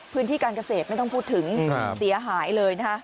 พื้นที่การเกษตรไม่ต้องพูดถึงเสียหายเลยนะคะ